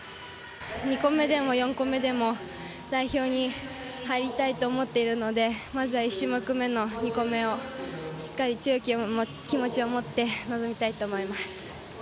２個メでも４個メでも代表に入りたいと思っているのでまずは、１種目めの２個メをしっかり強い気持ちを持って臨みたいと思います。